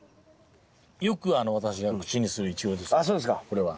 よく私が口にするイチゴですねこれは。